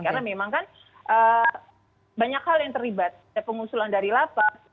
karena memang kan banyak hal yang terlibat pengusulan dari lapas